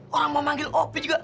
orang mau manggil kopi juga